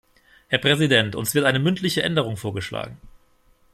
Herr Präsident, uns wird eine mündliche Änderung vorgeschlagen.